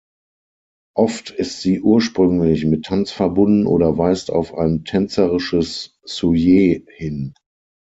Oft ist sie ursprünglich mit Tanz verbunden oder weist auf ein tänzerisches Sujet hin.